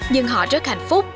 nhưng họ rất hạnh phúc